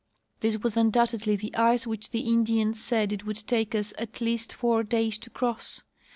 This Avas undoubtedly the ice which the Indians said it would take us at least four days to cross.